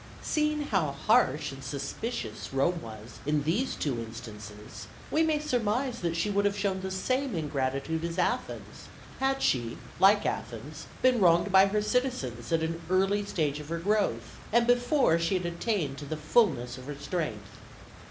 Seeing how harsh and suspicious Rome was in these two instances, we may surmise that she would have shown the same ingratitude as Athens, had she, like Athens, been wronged by her citizens at an early stage of her growth, and before she had attained to the fulness of her strength.